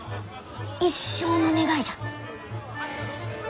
一生の願いじゃ。